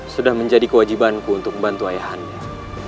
sudah menjadi kewajibanku untuk membantu ayah handel